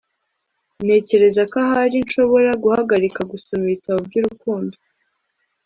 Ntekereza ko ahari nshobora guhagarika gusoma ibitabo byurukundo